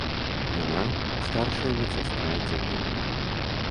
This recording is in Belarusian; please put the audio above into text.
Яна старшая медсястра аддзялення.